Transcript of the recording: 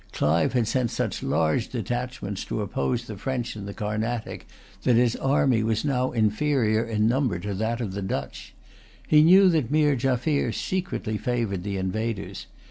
Clive had sent such large detachments to oppose the French in the Carnatic that his army was now inferior in number to that of the Dutch. He knew that Meer Jaffier secretly favoured the invaders.